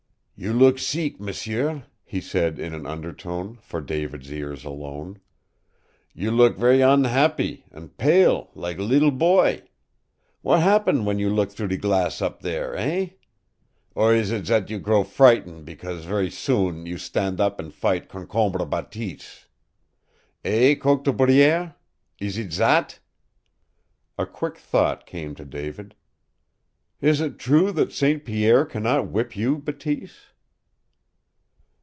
"You look seek, m'sieu," he said in an undertone, for David's ears alone, "You look ver' unhappy, an' pale lak leetle boy! Wat happen w'en you look t'rough ze glass up there, eh? Or ees it zat you grow frighten because ver' soon you stan' up an' fight Concombre Bateese? Eh, coq de bruyere? Ees it zat?" A quick thought came to David. "Is it true that St. Pierre can not whip you, Bateese?"